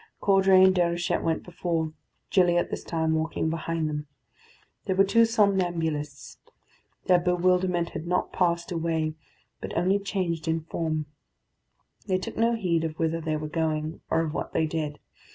Caudray and Déruchette went before, Gilliatt this time walking behind them. They were two somnambulists. Their bewilderment had not passed away, but only changed in form. They took no heed of whither they were going, or of what they did.